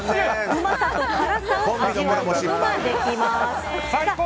うまさと辛さを味わうことができます。